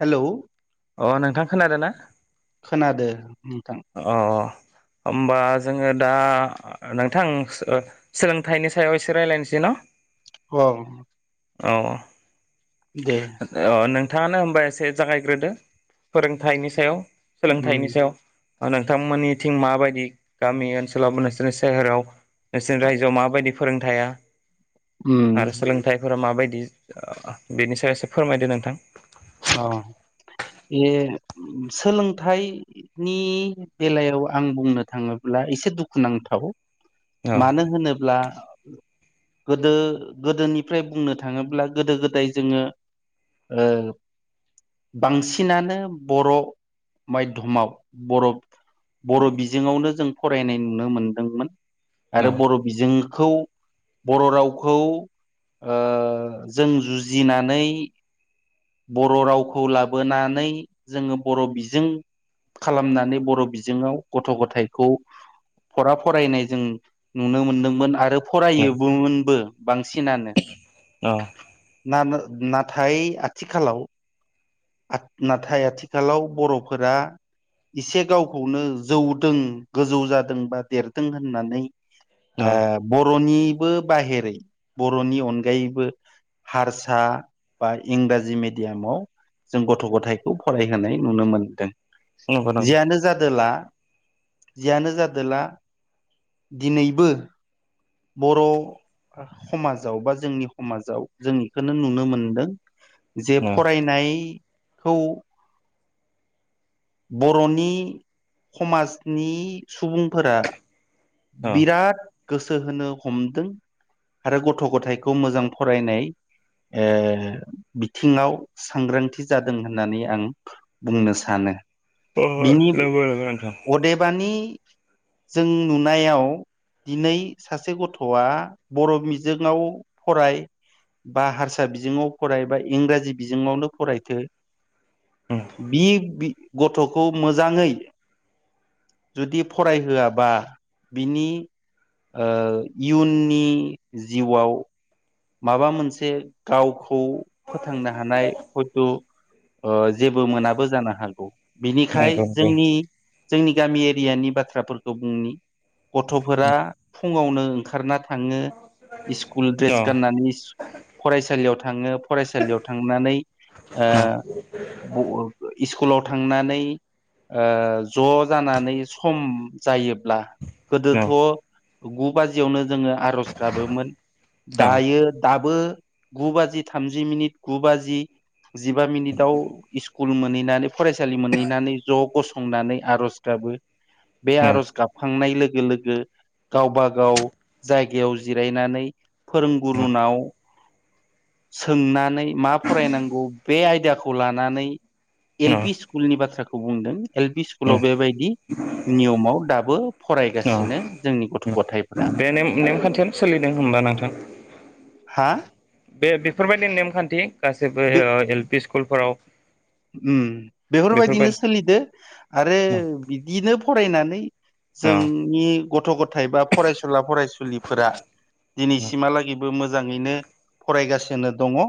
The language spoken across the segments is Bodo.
हेलौ अ नोंथां खोनादों ना? खोनादो नोंथां अ होमबा जोङो दा नोंथां सोलोंथाइनि सायाव एसे रायलायनोसै ना [unintelligible] अ औ दे अ नों थाङानो हबा एसे जागायग्रोदो फोरोंथाइनि सायाव उम सोलोंथाइनि सायाव नोंथांमोननिथिं माबायदि गामि ओनसोलाव नोंसोरनि सहेराव नोंसोरनि रायजोआव माबायदि फोरोंथाया उम आरो सोलोंथाइफोरा माबायदि बेनि सायावससे फोरमायदो नोंथां अ बे सोलोंथाइनि बेलायाव आं बुंनो थाङो ब्लाव एसे दुखुनांथाव औ मानो होनोब्ला गोदो गोदोनिफ्राय बुंनो थाङोब्ला गोदो गोदाय जोङो। ओ बांसिनानो बर' माइधमाव बरफ बर'बिजोंङावनो जों फरायनाय नुनो मोनदोंमोन औ आरो बर' बिजोंखौ बर' रावखौ ओ जों जुजिनानै बर' रावखौ लाबोनानै जोङो बर' बिजों खालामनानै बर' बिजोंङाव गथ' गथायखौ फरा फरायनाय जों नुनो मोनदोंमोन आरो फरायोबोमोनबो बांसिनानो औ नाथाय आथिखालाव नाथाय आथिखालाव बर'फोरा एसे गावखौनो जौदों गोजौ जादों बा देरदों होननानै औ ओ बर'निबो बाहेरै बर'नि अनगायैबो हारसा बा इंराजि मिडियामाव जों गथ' गथायखौ फरायहोनाय नुनो मोनदों। नंगौ नंगौ जियानो जादोला जियानो जादोंला दिनैबो बर' समाजाव बा जोंनि समाजाव जों बेखौनो नुनो मोनदों जे फरायनायखौ बर'नि समाजनि सुबुंफोरा अ बिराद गोसो होनो हमदों आरो गथ' गथायखौ मोजां फरायनाय ओ बिथिङाव सांग्रांथि जादों होननानै आं बुंनो सानो। बिनि नंगौ नंगौ नोंथां अदेबानि जों नुनायाव दिनै सासे गथ'आ बर' मिजोंङाव फराय बा हारसा बिजोङाव फराय बा इंराजि बिजोङावनो फरायथो बि गथ'खौ मोजाङै जुदि फरायहोआबा बिनि ओ इयुननि जिउआव माबा मोनसे गावखौ फोथांनो हानाय हयथ' ओ जेबो मोनाबो जानो हागौ। बिनिखाय नंगौ नंगौ जोंनि जोंनि गामि एरियानि बाथ्राफोरखौ बुंनि गथ'फोरा फुङावनो ओंखारना थाङो स्कुल द्रेस गाननानै फरायसालियाव थाङो फरायसालियाव थांनानै स्कुलाव थांनानै ओ ज' जानानै सम जायोब्ला गोदोथ' गु बाजियावनो जोङो आर'ज गाबोमोन। दायो दाबो गु बाजि थामजि मिनिट गु बाजि जिबा मिनिटआव स्कुल मोनहैनानै फरायसालि मोनहैनानै ज' गसंनानै आर'ज गाब बे आर'ज गाबखांनाय लोगो लोगो गावबा गाव जायगायाव जिरायनानै फोरोंगुरुनाव सोंनानै मा फरायनांगौ बे आयदाखौ लानानै एल पि स्कुलनि बाथ्राखौ बुंदों एल पि स्कुलाव बेबायदि नियमाव दाबो फरायगासिनो जोंनि गथ' गथाय बे ने नेमखान्थियानो सोलिदों होनबा नोंथां। हा बे बेफोरबायदि नेमखान्थि गासैबो बे एल पि स्कुलफोराव उम बेफोरबायदिनो बेफोरबायदि सोलिदो आरो बिदिनो फरायनानै अ जोंनि गथ' गथाय बा फरायसुला फरायसुलिफोरा अ दिनैसिम हालागि बो मोजाङैनो फरायगासिनो दङ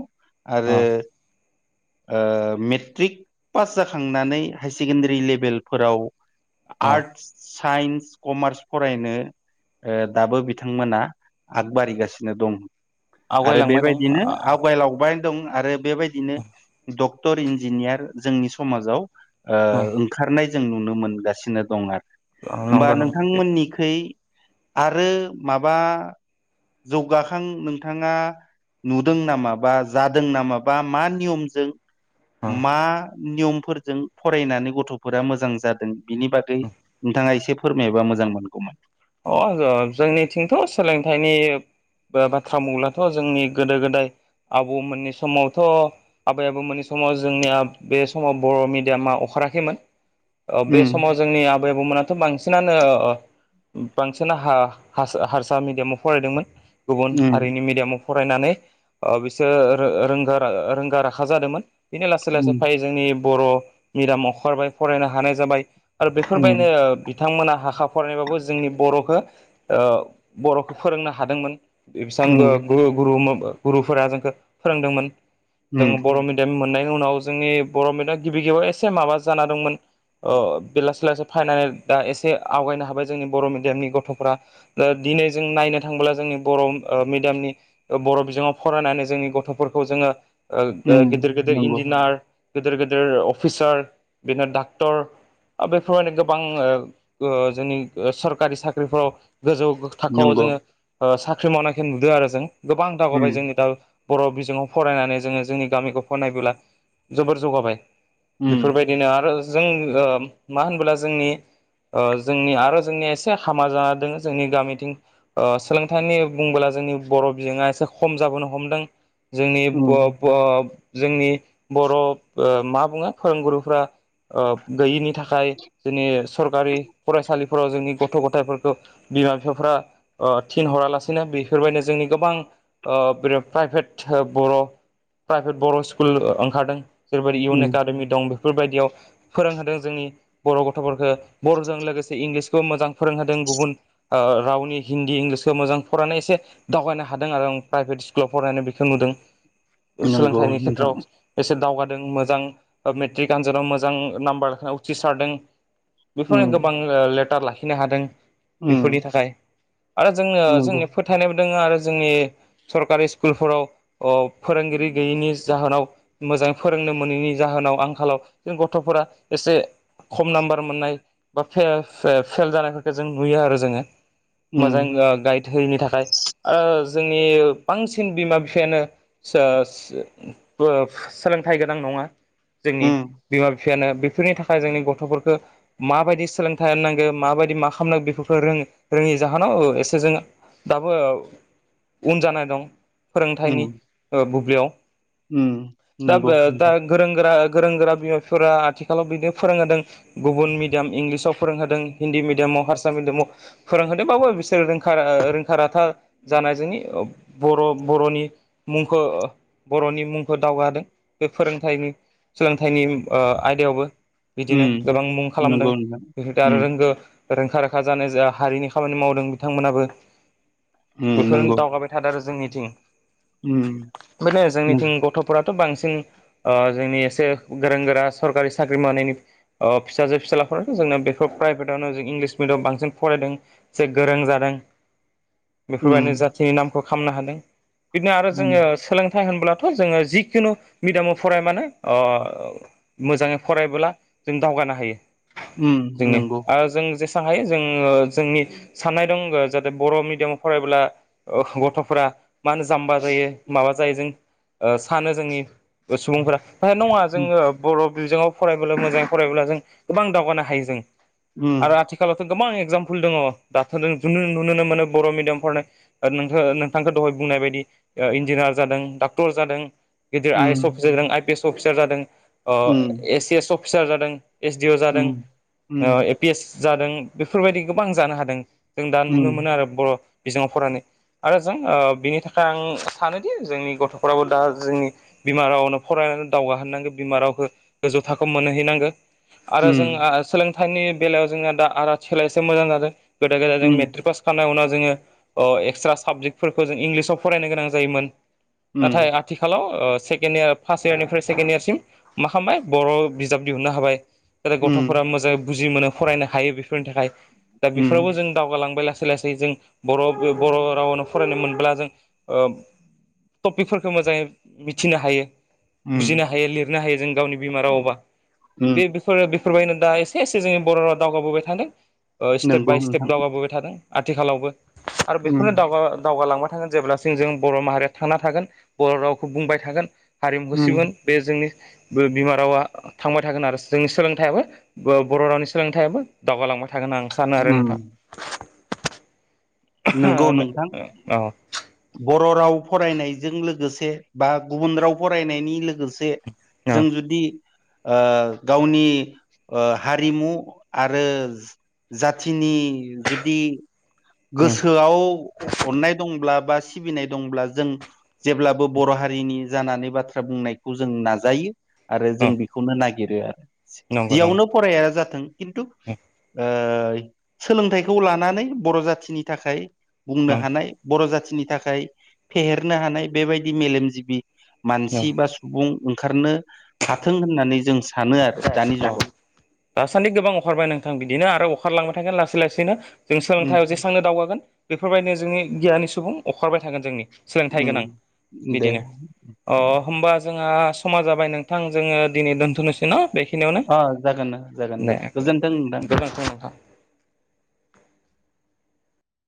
अ आरो ओ मेट्रिक पास जाखांनानै हायार सेकेण्डारि लेभेलफोराव अ आर्ट्स साइन्स कमार्स फरायनो दाबो बिथांमोना आगबारिगासिनो दं। आरो आवगायलांबाय दं बेबायदिनो अ आवगाय लांबाय दं आरो बेबायदिनो डक्टर इन्जिनियार जोंनि समाजाव अ ओंखारनाय जों नुनो मोनगासिनो दं आरो। होमबा नंगौ नंगौ नोंथांमोननिखै आरो माबा जौगाखां नोंथाङा नुदों नामाबा जादों नामाबा मा नियमजों अ मा नियमफोरजों फरायनानै गथ'फोरा मोजां जादों बिनि बागै नोंथाङा एसे फोरमायबा मोजां मोनगौमोन। अ जोंनिथिंथ' सोलोंथाइनि बाथ्रा बुंब्लाथ' जोंनि गोदो- गोदाय आबौमोननि समावथ' आबै आबौमोननि समाव जोंनिया बे समाव बर' मिडियामा अखा फेराखैमोन बे उम समाव जोंनि आबै आबौमोनाथ' बांसिनानो बांसिन हारसा मिडियामाव फरायदोंमोन गुबुन उम हारिनि मिडियामाव फरायनानै बिसोर रोंग रोंखा राखा जादोंमोन। बिदिनो लासै लासै उम फै जोंनि बर' मिडयामाव ओखारबाय फरायनो हानाय जाबाय। आरो उम बेफोरबायदिनो बिथांमोना हारसा फरायनानैबाबो जोंनि बर'खौ बर'खौ फोरोंनो हादोंमोन उम बेसेबां गुरु गुरुफोरा जोंखौ फोरोंदोंमोन जों उम बर' मिडियाम मोननाय उनाव जोंनि बर' मेडियाम गिबि गिबियाव एसे माबा जाना दंमोन। अ' बे लासै लासै फैयनानै दा एसे आवगायनो हाबाय जोंनि बर' मिडियामनि गथ'फोरा ओ दिनै जों नायनो थाङोब्ला जोंनि बर' मिडियामनि ओ गथ'फोरा बर' बिजोङाव फरायनानै जोंनि गथ'फोरखौ जोङो उम गिदिर गिदिर नंगौ इन्जिनियार गेदेर गेदिर अफिसार बिदिनो डाक्टर बेफोरबायदिनो ओ गोबां जोंनि सरखारि साख्रिफ्राव गोजौ थाखोआव नंगौ जोङो साख्रि मावनायखौ नुदों आरो जों। गोबां दागावबाय उम जोंनि दा बर' बिजोङाव फरायनानै जोङो जोंनि गामिफोरखौ नायबोब्ला जोबोर जौगाबाय। उम बेफोरबायदिनो आरो जों मा होनबोला जोंनि जोंनि आरो जोंनिसे हामा जाना दङ जोंनि गामिथिं सोलोंथाइनि बुंला जोंनि बर' बिजोंआ एसे खम जाबोनो हमदों जोंनि उम जोंनि बर' ओ मा बुङो फोरोंगुरुफ्रा गैयिनि थाखाय जोंनि सरकारि फरायसालि फोराव जोंनि गथ' गथायफोरखौ बिमा बिफाफ्रा थिनहरालासिनो बेफोरबायदिनो जोंनि गोबां बे प्राइभेट बर' प्राइभेट बर' स्कुल ओंखारदों जेरैबायदि इउन उम एकाडेमि दं बेफोरबायदियाव फोरोंदों जोंनि बर' गथ'फोरखौ। बर'जों लोगोसे इंलिस मोजां फोरोंदों गुबुन ओ रावनि हिन्दी इंलिसखौ मोजां फरायनाय एसे दावगायनो हादों आरो। आं प्राइभेट स्कुलाव फरायनाय बेखौ नुदों। नंगौ सोलोंथाइनि नोंथां खेथ्रआव एसे दावगा दों मोजां ओ मेट्रिक आनजादाव मोजां नाम्बार उथ्रिसारदों। बेफोरनो उम गोबां ओ लेटार लाखिनो हादों उम बेफोरनि थाखाय। आरो जोंनो नंगौ जोंनि फोथायनायबो दोङो आरो जोंनि सरकारि स्कुलफोराव ओ फोरोंगिरि गैयैनि जाहोनाव मोजाङै फोरोंनो मोनैनि जा होनाव आंखालाव जों गथ'फोरा एसे खम नाम्बार मोननाय बा फेल फे-फेल जानायफोरखौ जों नुयो आरो जोङो। उम मोजां गाइद होयिनि थाखाय ओ जोंनि बांसिन बिमा- बिफायानो सोस सोलोंथाइ गोनां नङा। जोंनि उम बिमा- बिफायानो बेफोरनि थाखाय जोंनि गथ'फोरखौ माबायदि सोलोंथाय थानांगो माबायदि मा खालामनांगौ बेफोरखौ रों रोङि जाहोनाव औ एसे जों दाबो उन जानाय दं फोरोंथाइनि उम ओ बुब्लियाव उम नंगौ दाबो दा नोंथां गोरों गोरा गोरों गोरा बिमाफोरा आथिखालाव बिदिनो फोरोंहोदों गुबुन मिडियाम इंलिस आव। फोरोंहोदों हिन्दी मिडयामाव हारसा मिडियामाव फोरोंहोदोंबाबो बिसोर रखा रोंखा राथा हानाय जोंनि ओ बर बर मुंखौ बर'नि मुंखौ दावगादों बेफोर फोरोंथनि सोलोंथाइनि ओ आयदायावबो बिदिनो उम गोबां मुं खालामदों। नंगौ नोंथां बेफोर आरो उम रोंगो रोंखा रोखा जानाय हारिनि खामानि मावदों बिथांमोनाबो। उम बेफोरनो नंगौ दावगाबाय थादों आरो जोंनिथिं उम बेनो उम जोंनिथिं गथ'फोरा। बांसिन ओ जोंनि एसे गोरों गोरा सरकारि साख्रि मावनायनि अ फिसाजो फिसाला फोर जोंना बे बेखौ प्राइभेटावनो जों इंलिस मिडियाम बांसिन फरायदों एसे गोरों जादों। बेफोरबायदि उम जाथिनि नामखौ खालामामनो हादों बिदिनो आरो उम जोङो सोलोंथाइ होनब्ला जोङो जिखुनु मिडियामाव फराय मानो अ मोजाङै फरायबोला जों दावग गानो हायो उम जोंनि नंगौ आ जों जेसे हायो जोङो जोंनि साननाय दं ओ जाहाथे बर' मिडियामाव फरायब्ला अ गथ'फोरा मा होनो जाम्बा जायो, माबा जायो जों सानो जोंनि सुबुंफोरा नङा उम जोङो बर' बिजोंङाव फरायबोब्ला मोजाङै फरायायोब्ला जों गोबां दावगानो हायो जों। उम आरो आथिखालावथ गोबां एगजामपोल दङ दाथ' जों नुुनो मोनो बर' मिडियाम फरायनाय नोङो नोंथांखौ दहाय बुं नाय बायदि इन्जिनायार जादों डाक्टर जादों। गिदिर आइ उम एस अफिसार जादों आइ पि एस अफिसार जादों अ उम एस सि एस अफिसार जादों। एस डिअ जादों अ उम ए पि एस जादों बेफोरबायदि गोबां जानो हादों। जों दा उम नुनो मोनो आरो बर' बिजोंङाव फरायनानै आरो जों ओ बिनि थाखाय आं सानोदि जोंनि गथ'फोराबो दा जोंनि बिमा रावनो फरायनानै दावगाहोननांगौ बिमा रावखौ गोजौ थाखोआव मोनहैनांगो। आरो उम उम जोंहा सोलोंथाइनि बेलायाव जोंहा दा आ आथिखालाव एसे मोजां जादों। गोदो गोदाय जों मेट्रिक पास खानाय उनाव जोङो अ एक्स्रा साबजेक्टफोरखौ जों इंलिसाव फरायनो गोनां जायोमोन। उम नाथाय आथिखालाव ओ सेकेण्ड इयार फार्स्ट इयारनिफ्राय सेकेण्ड इयारसिम मा खालामबाय बर' बिजाब दिहुननो हाबाय। ओरै उम गथ'फोरा मोजाङै बुजि मोनो फरायनो हायो बेफोरनि थाखाय दा उम बेफोरावबो जों दावगालांबाय लासै लासै लासै जों बर' बर' रावावनो फरायनो मोनब्ला जों ओ टपिकफोरखौ मोजाङै मिथिनो हायो। उम बुजिनो हायो लिरनो हायो जों गावनि बिमा रावबा उम बेफोरो बेफोरबायनो दा एसे एसे एसे जोंनि बर' राव दावगाबोबाय थादों स्टेप नंगौ बाय स्टेप नोंथां दावगाबोबाय थादों आथिखालावबो। आरो बेखौनो उम दाव दावगालांबाय थागोन जेब्लासिम जों बर' माहारिया थांना थागोन बर' रावखौ बुंबाय थागोन। हारिमुखौ सिगोन उम बे जोंनि बिमा रावा थांबाय थागोन आरो जोंनि सोलोंथाइयाबो ब बर' रावनि सोलोंथाइयाबो दावगालांबाय थागोन होनना आं सानो आरो उम नोंथा। नंगौ नोंथां, औ बर र' राव फरायनायजों लोगोसे बा गुबुन राव फरायनायनि लोगोसे जों जुदि ओ गावनि ओ हारिमु आरो जाथिनि जुदि गोसोआव अननाय दंब्ला। बा सिबिनाय दंब्ला जों जेब्लाबो बर' हारिनि जानानै बाथ्रा बुंनायखौ जों नाजायो। आरो जों औ बेखौनो नागिरो आरो। जि नंगौ नंगौ जियावनो फराया जाथों खिन्थु ओ सोलोंथाइखौ लानानै बर' जाथि नि थाखाय बुंनो औ हानाय बर' जा थिनि थाखाय फेहेरनो हानाय बेबायदि मेलेमजिबि मानसि बा सुबुं ओंखारनो हाथों होननानै जों सानो आरो दानि जुगाव [unintelligible] दासान्दि गोबां अखारबाय नोंथां बिदिनो आरो अखारलांबाय थागोन लासै लासैनो जों उम सोलोंथाइयाव जेसांनो दावगागोन बेफोरबायदिनो जोंनि गियााननि सुबुं अखारबाय थागोन जोंनि सोलोंथाइ गोनां उम दे बिदिनो अ होनबा जों जोंहा समा जाबाय नोंथां जोङो दिनै दोन्थ'नोसै न बेखि नियावनो अ जागोन जागोन दे गोजोन्थों नोंथां गोजोन्थों नोंथां [inaudible]